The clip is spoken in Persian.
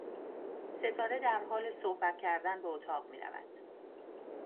ستاره درحال صحبت کردن به اتاق می رود